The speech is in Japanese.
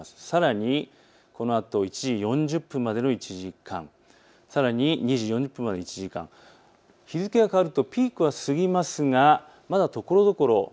さらにこのあと１時４０分までの１時間、さらに２時４０分までの１時間、日付が変わるとピークは過ぎますがまだところどころ